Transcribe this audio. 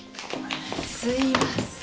すいません。